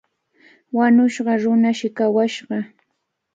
Wañushqa runashi kawashqa.